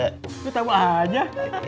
lu tau aja